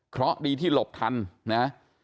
เพราะดีที่หลบทันนะ